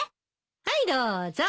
はいどうぞ。